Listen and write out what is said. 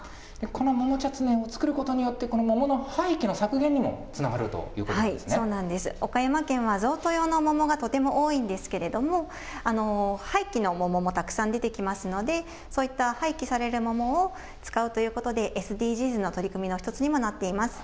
この桃チャツネを作ることによって、この桃の廃棄の削減にもそうなんです、岡山県は、贈答用の桃がとても多いんですけれども、廃棄の桃もたくさん出てきますので、そういった廃棄される桃を使うということで、ＳＤＧｓの取り組みの１つにもなっています。